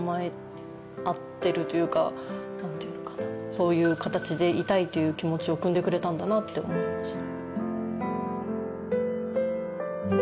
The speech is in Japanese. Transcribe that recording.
そういう形でいたいという気持ちをくんでくれたんだなって思いました。